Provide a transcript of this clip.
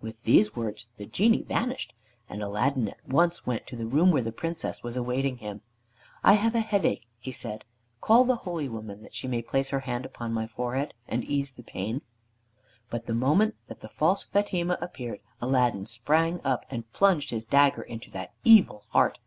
With these words the Genie vanished, and. Aladdin went at once to the room where the Princess was awaiting him. "I have a headache," he said. "Call the holy woman, that she may place her hand upon my forehead and ease the pain." But the moment that the false Fatima appeared Aladdin sprang up and plunged his dagger into that evil heart.